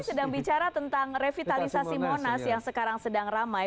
kita sedang bicara tentang revitalisasi monas yang sekarang sedang ramai